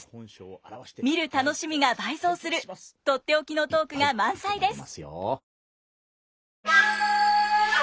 見る楽しみが倍増する取って置きのトークが満載です！